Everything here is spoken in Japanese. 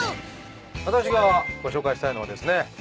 私がご紹介したいのはですね。